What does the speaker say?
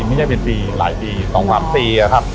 ไม่ใช่เป็นปีหลายปีสองห้ามปีอ่ะครับ